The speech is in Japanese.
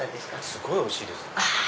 すごいおいしいです。